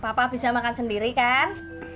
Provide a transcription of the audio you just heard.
papa bisa makan sendiri kan